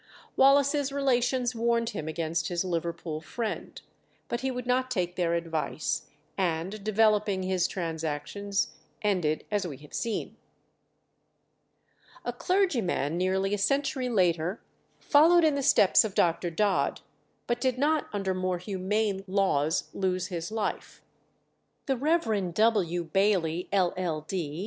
Wallace's relations warned him against his Liverpool friend, but he would not take their advice, and developing his transactions, ended as we have seen. A clergyman nearly a century later followed in the steps of Dr. Dodd, but did not under more humane laws lose his life. The Rev. W. Bailey, LL.D.